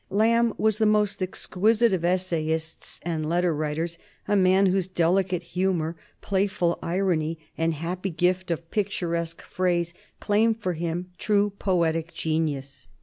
Lamb was the most exquisite of essayists and letter writers, a man whose delicate humor, playful irony, and happy gift of picturesque phrase claim for him true poetic genius.